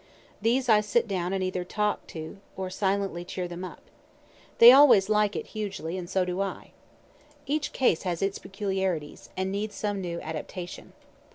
These I sit down and either talk to, or silently cheer them up. They always like it hugely, (and so do I.) Each case has its peculiarities, and needs some new adaptation.